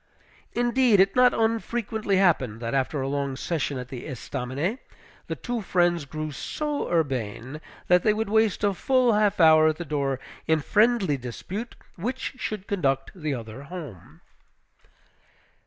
Indeed, it not unfrequently happened, that, after a long session at the Estaminet, the two friends grew so urbane that they would waste a full half hour at the door in friendly dispute which should conduct the other home.